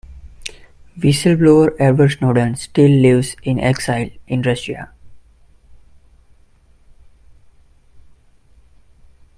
Whistle-blower Edward Snowden still lives in exile in Russia.